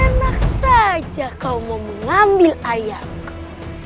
enak saja kau mau mengambil ayamku